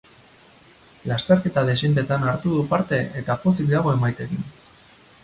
Lasterketa dexentetan hartu du parte eta pozik dago emaitzekin.